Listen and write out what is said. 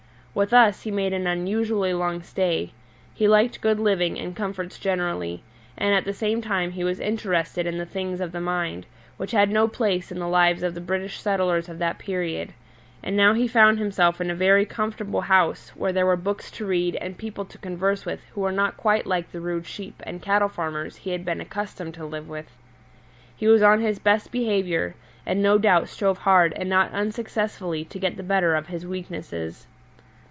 With us he made an unusually long stay; he liked good living and comforts generally, and at the same time he was interested in the things of the mind, which had no place in the lives of the British settlers of that period; and now he found himself in a very comfortable house, where there were books to read and people to converse with who were not quite like the rude sheep and cattle farmers he had been accustomed to live with. He was on his best behaviour, and no doubt strove hard and not unsuccessfully to get the better of his weaknesses.